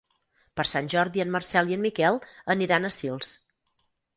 Per Sant Jordi en Marcel i en Miquel aniran a Sils.